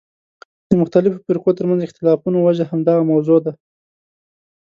د مختلفو فرقو ترمنځ اختلافونو وجه همدغه موضوع ده.